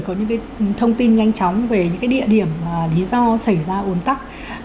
có những cái thông tin nhanh chóng về những cái địa điểm lý do xảy ra ủn tắc